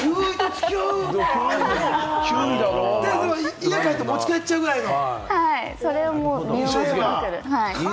家に持ち帰っちゃうぐらいの？